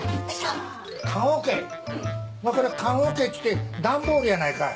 それ棺おけっちゅうて段ボールやないかい。